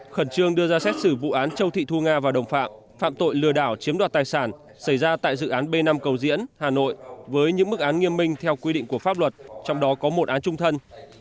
khẩn trương đưa ra xét xử vụ án châu thị thu nga và đồng phạm phạm tội lừa đảo chiếm đoạt tài sản xảy ra tại dự án b năm cầu diễn hà nội với những mức án nghiêm minh theo quy định của pháp luật trong đó có một án trung thân